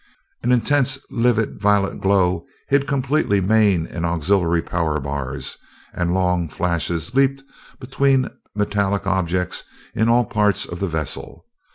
An intense, livid violet glow hid completely main and auxiliary power bars, and long flashes leaped between metallic objects in all parts of the vessel.